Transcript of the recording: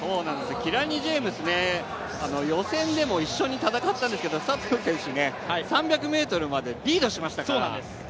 キラニ・ジェームス、予選でも一緒に戦ったんですけれども、佐藤選手、３００ｍまでリードしましたから。